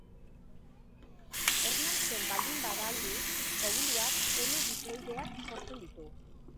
Ernaltzen baldin bada, aldiz, obuluak eme diploideak sortzen ditu.